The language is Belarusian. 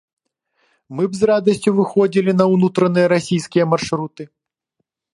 Мы б з радасцю выходзілі на ўнутраныя расійскія маршруты.